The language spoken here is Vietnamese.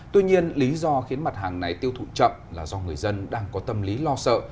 tuy nhiên lý do khiến mặt hàng này tiêu thụ chậm là do người dân đang có tâm lý lo sợ